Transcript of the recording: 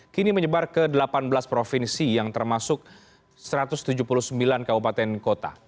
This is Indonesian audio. kini menyebar ke delapan belas provinsi yang termasuk satu ratus tujuh puluh sembilan kabupaten kota